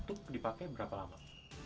untuk dipakai berapa lama